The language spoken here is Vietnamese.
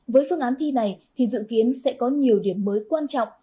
với phương án thi này thì dự kiến sẽ có nhiều điểm mới quan trọng